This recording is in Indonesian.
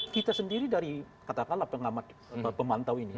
kita sendiri dari katakanlah pengamat pemantau ini